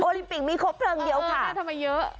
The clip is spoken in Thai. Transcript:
โอริมปิกมีคบเพลิงเดียวค่ะอ่าตั้งแต่เยอะ